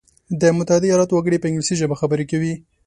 د متحده ایلاتو وګړي په انګلیسي ژبه خبري کوي.